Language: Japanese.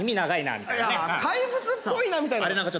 怪物っぽいなみたいな。